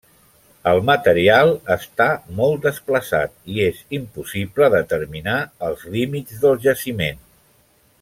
El material està molt desplaçat, i és impossible determinar els límits del jaciment.